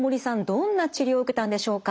どんな治療を受けたんでしょうか。